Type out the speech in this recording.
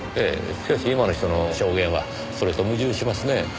しかし今の人の証言はそれと矛盾しますね。